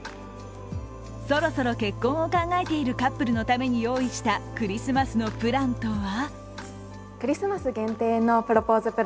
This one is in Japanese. そろそろ結婚を考えているカップルのために用意したクリスマスのプランとは？